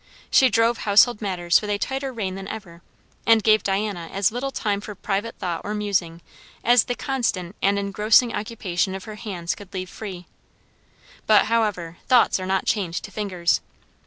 She drove household matters with a tighter rein than ever, and gave Diana as little time for private thought or musing as the constant and engrossing occupation of her hands could leave free. But, however, thoughts are not chained to fingers.